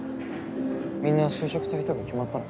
みんな就職先とか決まったの？